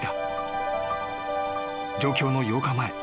［上京の８日前。